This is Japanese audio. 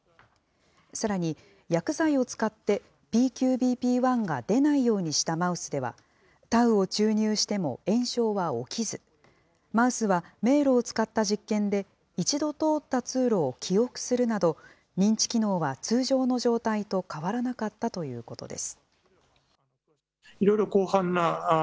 さらに、薬剤を使ってＰＱＢＰ１が出ないようにしたマウスでは、タウを注入しても炎症は起きず、マウスは迷路を使った実験で、一度通った通路を記憶するなど、認知機能は通常の状態と変わらなかったということです。